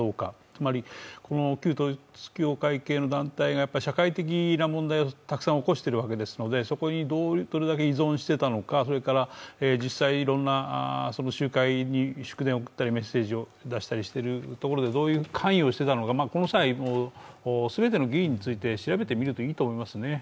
つまり旧統一教会系の団体が社会的な問題をたくさん起こしているわけですので、そこにどのぐらい依存していたのか、実際、いろんな集会に祝電を送ったりメッセージを出したりどういう関与をしていたのか、この際、全ての議員について調べてみるといいですね。